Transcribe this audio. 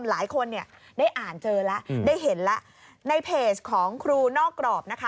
หลายคนเนี่ยได้อ่านเจอแล้วได้เห็นแล้วในเพจของครูนอกกรอบนะคะ